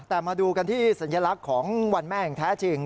แต่มาดูกันที่สัญลักษณ์ของวันแม่อย่างแท้จริง